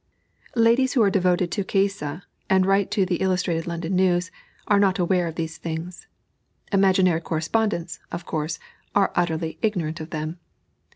Ladies who are devoted to "Caissa," and write to the Illustrated London News, are not aware of these things. Imaginary correspondents, of course, are utterly ignorant of them.